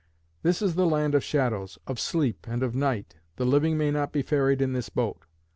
This is the land of Shadows, of Sleep, and of Night. The living may not be ferried in this boat.